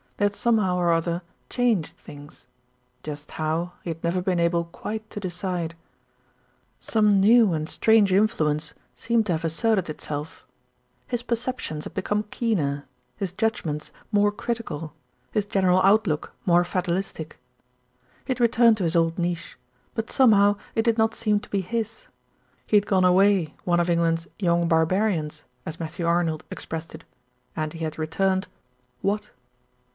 They had somehow or other changed things, just how he had never been able quite to decide. Some new and strange influence seemed to have asserted itself. His perceptions had become keener, his judg ments more critical, his general outlook more fatalistic. He had returned to his old niche; but somehow it did not seem to be his. He had gone away one of England's "young barbarians," as Matthew Arnold ex pressed it, and he had returned what?